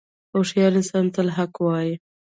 • هوښیار انسان تل حق وایی.